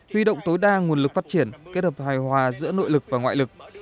huy động tối đa nguồn lực phát triển kết hợp hài hòa giữa nội lực và ngoại lực